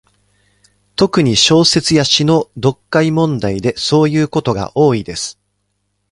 特に、小説や詩の読解問題でそういうことが多いです。